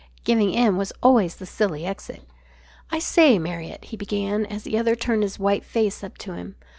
Giving in was always the silly exit. "I say, Marriott," he began, as the other turned his white face up to him.